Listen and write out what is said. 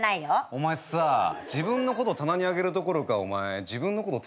お前さ自分のこと棚に上げるどころか自分のこと